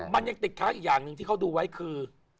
มันยังติดค้างอีกอย่างหนึ่งที่เขาดูไว้คือ